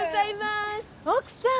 奥さん。